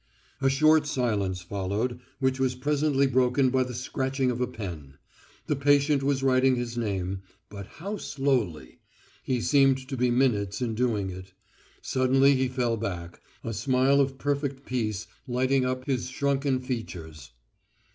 A short silence followed, which was presently broken by the scratching of a pen. The patient was writing his name, but how slowly! He seemed to be minutes in doing it. Suddenly he fell back, a smile of perfect peace lighting up his shrunken features.